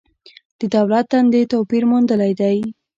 د دولت دندې توپیر موندلی دی.